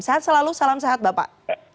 sehat selalu salam sehat bapak